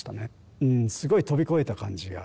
すごい飛び越えた感じが。